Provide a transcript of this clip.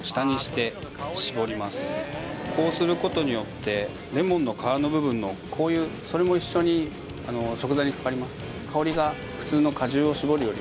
こうすることによってレモンの皮の部分の香油それも一緒に食材にかかります